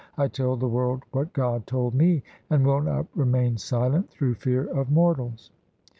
I tell the world what God told me, And will not remain silent through fear of mortals.